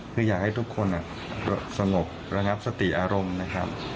คืออยากให้ทุกคนสงบระงับสติอารมณ์นะครับ